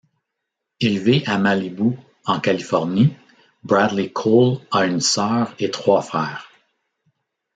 Élevé à Malibu en Californie, Bradley Cole a une sœur et trois frères.